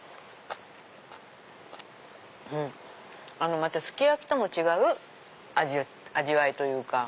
またすき焼きとも違う味わいというか。